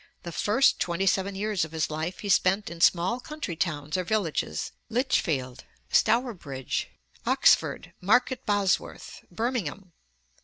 The first twenty seven years of his life he spent in small country towns or villages Lichfield, Stourbridge, Oxford, Market Bosworth, Birmingham.